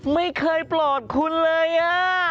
ไม่เคยปลอดคุณเลย